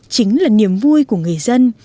chính là niềm vui của người dân